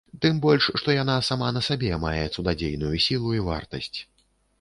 Тым больш што яна сама на сабе мае цудадзейную сілу і вартасць.